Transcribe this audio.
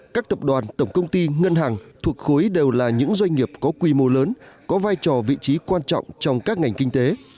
các tập đoàn tổng công ty ngân hàng thuộc khối đều là những doanh nghiệp có quy mô lớn có vai trò vị trí quan trọng trong các ngành kinh tế